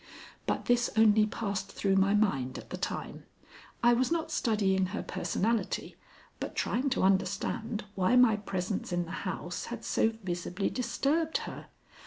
But this only passed through my mind at the time. I was not studying her personality, but trying to understand why my presence in the house had so visibly disturbed her.